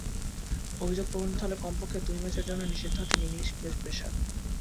অভিযোগ প্রমাণিত হলে কমপক্ষে দুই ম্যাচের জন্য নিষিদ্ধ হতেন ইংলিশ পেসার।